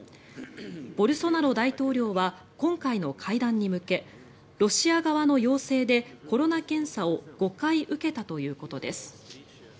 ボルソナロ大統領は今回の会談に向けロシア側の要請でコロナ検査を５回受けたということです。